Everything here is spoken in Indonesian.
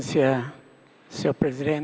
terima kasih tuan presiden